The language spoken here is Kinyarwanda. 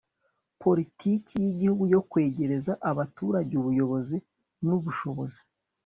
Politiki y Igihugu yo Kwegereza Abaturage Ubuyobozi n Ubushobozi